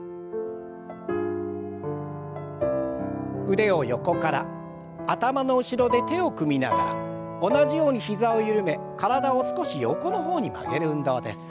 腕を横から頭の後ろで手を組みながら同じように膝を緩め体を少し横の方に曲げる運動です。